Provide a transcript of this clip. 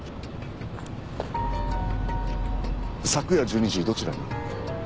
昨夜１２時どちらに？